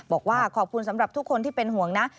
บอกว่าขอบคุณสำหรับทุกคนที่เป็นห่วงนะ